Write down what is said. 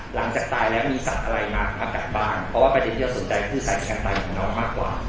หลังจากตายแล้วมีสัตว์อะไรมาอากาศบ้างเพราะว่าประเด็นที่เราสนใจก็คือสายการตายของน้องมากกว่า